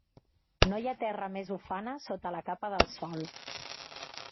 No hi ha terra més ufana sota la capa del sol.